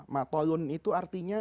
matolun itu artinya